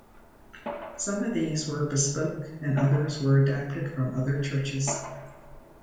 Some of these were bespoke and others were adapted from other churches.